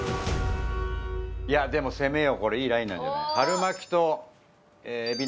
でも攻めようこれいいラインなんじゃない？